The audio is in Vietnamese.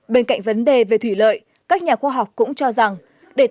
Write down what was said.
bên cạnh vấn đề về thủy lợi các nhà khoa học cũng cho rằng nông nghiệp có thể phát triển bền vững